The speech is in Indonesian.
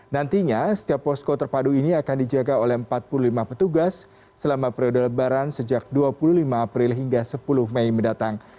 nantinya setiap posko terpadu ini akan dijaga oleh empat puluh lima petugas selama periode lebaran sejak dua puluh lima april hingga sepuluh mei mendatang